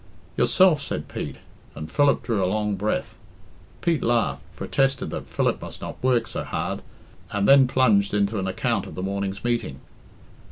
"Yourself," said Pete, and Philip drew a long breath. Pete laughed, protested that Philip must not work so hard, and then plunged into an account of the morning's meeting.